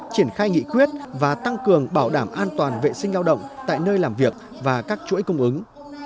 triển khai nghị quyết và tăng cường bảo đảm an toàn vệ sinh lao động tại nơi làm việc và các chuỗi cung ứng